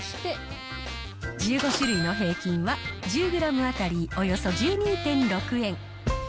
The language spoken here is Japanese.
１５種類の平均は１０グラム当たりおよそ１２．６円。